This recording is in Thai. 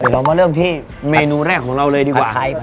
เรามาเริ่มที่เมนูแรกของเราเลยดีกว่า